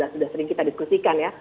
sudah sering kita diskusikan ya